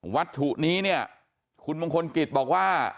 วัตถุนี้เนี่ยคุณมงคลกิจบอกว่า